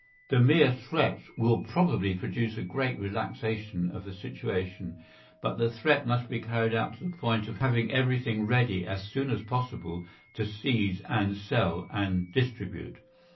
The mere threat will probably produce a great relaxation of the situation, but the threat must be carried out to the point of having everything ready as soon as possible to seize and sell and distribute.